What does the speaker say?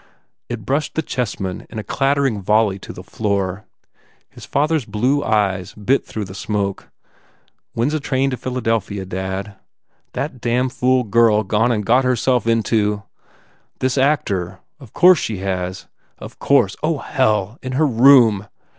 It brushed the chessmen in a clattering volley to the floor. His father s blue eyes bit through the smoke. "When s a train to Philadelphia, dad?" "That damn fool girl gone and got herself into" "This actor! ... Of course she has! Of course! Oh, hell! In her room!